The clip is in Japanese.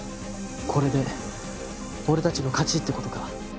これで俺たちの勝ちって事か。